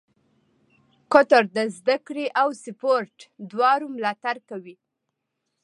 قطر د زده کړې او سپورټ دواړو ملاتړ کوي.